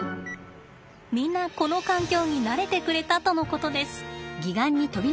みんなこの環境に慣れてくれたとのことです。